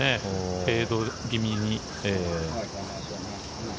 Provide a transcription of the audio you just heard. フェード気味に。